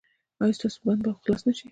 ایا ستاسو بند به خلاص نه شي؟